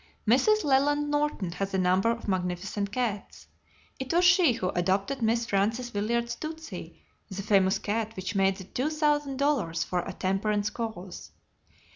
Mrs. Leland Norton has a number of magnificent cats. It was she who adopted Miss Frances Willard's "Tootsie," the famous cat which made two thousand dollars for the temperance cause.